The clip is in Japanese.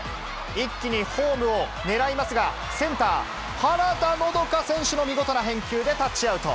一気にホームを狙いますが、センター、原田のどか選手の見事な返球でタッチアウト。